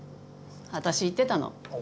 私言ってたの。